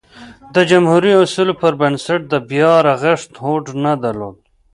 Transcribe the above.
د جمهوري اصولو پربنسټ د بیا رغښت هوډ نه درلود.